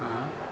yang dua lagi